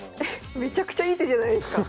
めちゃくちゃいい手じゃないですか。